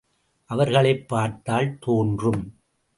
அவர்களைப் பார்த்தால் தோன்றும்.